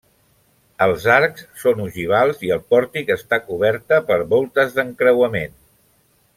Els arcs són ogivals i el pòrtic està coberta per voltes d'encreuament.